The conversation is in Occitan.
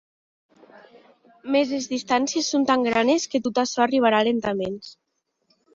Mès es distàncies son tan granes que tot açò arribarà lentaments.